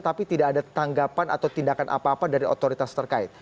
tapi tidak ada tanggapan atau tindakan apa apa dari otoritas terkait